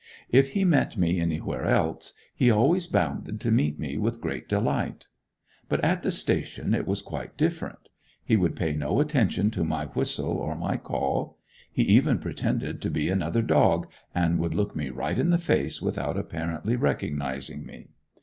If he met me anywhere else, he always bounded to meet me with great delight. But at the station it was quite different. He would pay no attention to my whistle or my call. He even pretended to be another dog, and would look me right in the face without apparently recognizing me.